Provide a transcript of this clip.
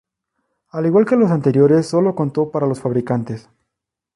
Al igual que las anteriores sólo contó para los fabricantes.